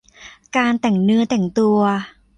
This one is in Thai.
การแต่งเนื้อแต่งตัว